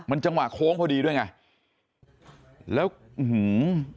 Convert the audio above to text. มันจังหวะโค้งพอดีด้วยไงแล้วอื้อหือ